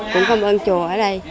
cũng cảm ơn chùa ở đây